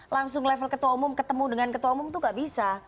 langsung level ketua umum ketemu dengan ketua umum itu nggak bisa